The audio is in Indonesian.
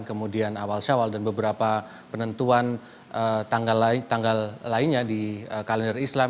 kemudian awal syawal dan beberapa penentuan tanggal lainnya di kalender islam